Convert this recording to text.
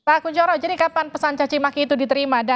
pak kuncoro jadi kapan pesan caci makyus itu diterima